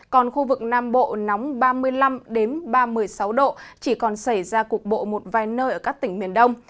còn khu vực nam bộ nóng ba mươi năm ba mươi sáu độ chỉ còn xảy ra cục bộ một vài nơi ở các tỉnh miền đông